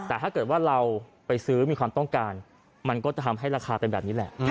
แต่ถ้าเกิดว่าเราไปซื้อมีความต้องการมันก็จะทำให้ราคาเป็นแบบนี้แหละ